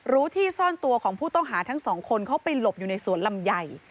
รู้ที่ซ่อนตัวของผู้ต้องหาทั้งสองคนเขาไปหลบอยู่ในสวนลำใหญ่